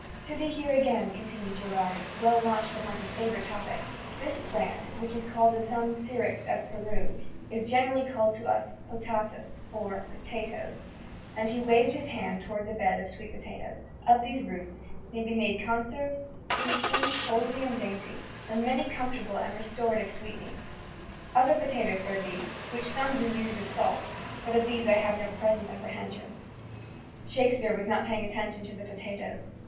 "Sithee here again," continued Gerard, well launched upon his favourite topic, "this plant, which is called of some Skyrrits of Peru, is generally called of us, Potatus or Potatoes," and he waved his hand towards a bed of sweet potatoes. "Of these roots may be made conserves, toothsome, wholesome and dainty, and many comfortable and restorative sweetmeats. Other potatoes there be, which some do use with salt, but of these I have no present apprehension." Shakespeare was not paying attention to the potatoes.